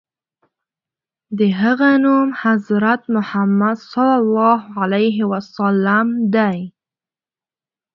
د هغه نوم حضرت محمد ص دی.